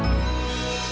umi yang berharga